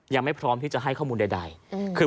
ยังไม่พร้อมที่จะให้ข้อมูลใดคือเพื่อนบอกว่า